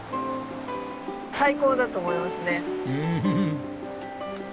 最高だと思いますね。